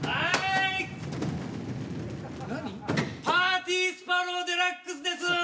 パーティースパロウデラックスです！